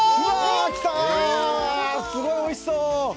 すごいおいしそう。